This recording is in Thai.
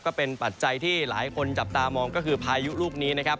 ปัจจัยที่หลายคนจับตามองก็คือพายุลูกนี้นะครับ